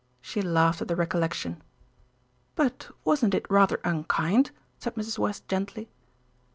'" She laughed at the recollection. "But wasn't it rather unkind?" said Mrs. West gently.